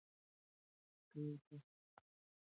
که یو کس غریب وي ټول اغیزمن کیږي.